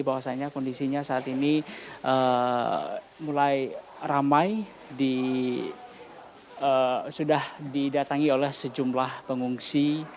bahwasannya kondisinya saat ini mulai ramai sudah didatangi oleh sejumlah pengungsi